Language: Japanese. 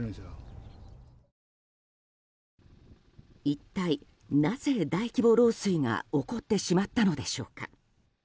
一体なぜ、大規模漏水が起こってしまったのでしょうか。